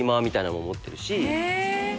みたいなのも持ってるし。